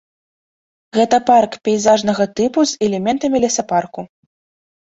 Гэта парк пейзажнага тыпу з элементамі лесапарку.